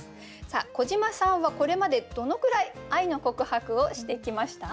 さあ小島さんはこれまでどのくらい愛の告白をしてきました？